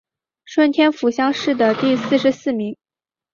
顺天府乡试第四十四名。